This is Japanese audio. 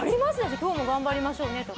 今日も頑張りましょうねとか。